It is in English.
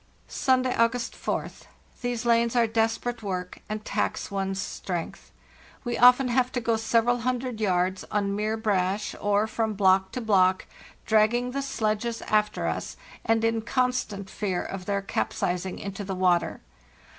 "Sunday, August 4th. These lanes are desperate work and tax one's strength. We often have to go several hundred yards on mere brash, or from block to block, dragging the sledges after us, and in constant fear of their capsizing into the water.